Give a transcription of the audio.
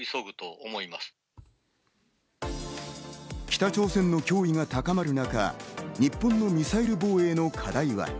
北朝鮮の脅威が高まる中、日本のミサイル防衛の課題は？